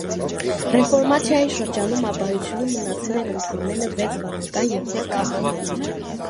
Ռեֆորմացիայի շրջանում աբբայությունում մնացել էր ընդամենը վեց վանական և մեկ քահանա։